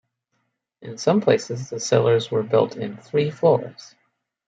In some places the cellars were built in three floors.